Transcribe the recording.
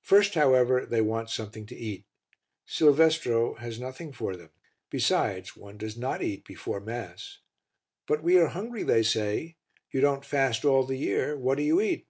First, however, they want something to eat. Silvestro has nothing for them; besides, one does not eat before Mass. "But we are hungry," they say. "You don't fast all the year; what do you eat?"